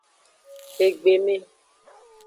Egbeme.